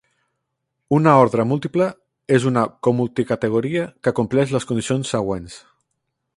Una "ordre múltiple" és una comulticategoria que compleix les condicions següents.